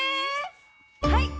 はい！